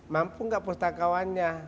mampu gak pustakawannya